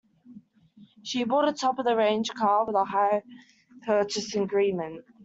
She bought a top-of-the-range car with a hire purchase agreement